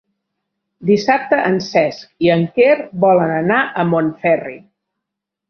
Dissabte en Cesc i en Quer volen anar a Montferri.